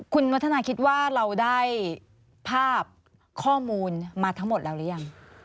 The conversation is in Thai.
คุณวัฒนาคิดว่าเราได้ภาพข้อมูลมาทั้งหมดแล้วหรือยัง